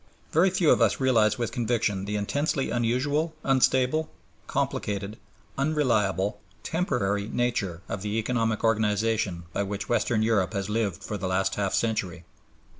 Very few of us realize with conviction the intensely unusual, unstable, complicated, unreliable, temporary nature of the economic organization by which Western Europe has lived for the last half century.